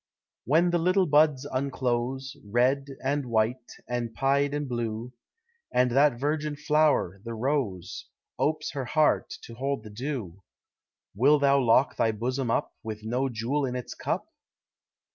When the little buds unclose. Red, and white, and pied, and blue, And that virgin flow'r, the rose, Opes her heart to hold the dew, Wilt thou lock thy bosom up With no jewel in its cup?